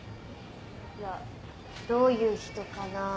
いやどういう人かなって。